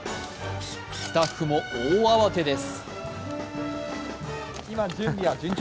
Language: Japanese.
スタッフも大慌てです。